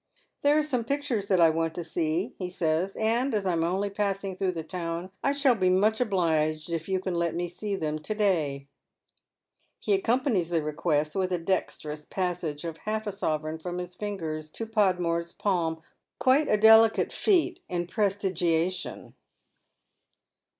" There are some pictures that I want to see," he says, " and» as I am only passing through the town, I shall be much obliged if you can let me see them to day." He accompanies the request with a dexterous passage of half a sovereign from his fingers to Podmore's palm — quite a delicatft feat in prestigiation.